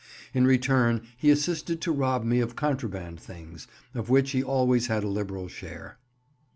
In return he assisted to rob me of contraband things, of which he always had a liberal share.